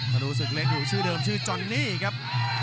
ธนูศึกเล็กอยู่ชื่อเดิมชื่อจอนนี่ครับ